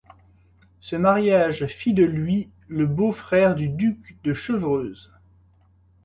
Ce mariage fit de lui le beau-frère du duc de Chevreuse.